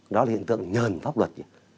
đó là hiện tượng nhờn pháp luật